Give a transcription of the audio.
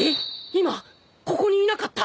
今ここにいなかった！？